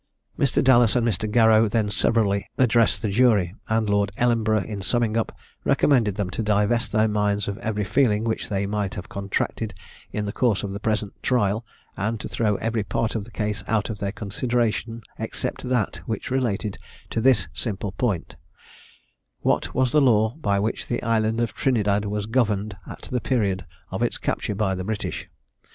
Mr. Dallas and Mr. Garrow then severally addressed the jury; and Lord Ellenborough in summing up, recommended them to divest their minds of every feeling which they might have contracted in the course of the present trial, and to throw every part of the case out of their consideration, except that which related to this simple point: What was the law by which the island of Trinidad was governed at the period of its capture by the British?